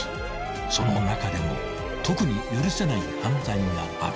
［その中でも特に許せない犯罪がある］